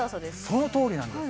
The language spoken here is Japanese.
そのとおりなんです。